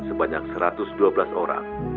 sebanyak satu ratus dua belas orang